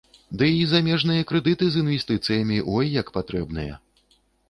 Дый замежныя крэдыты з інвестыцыямі ой як патрэбныя.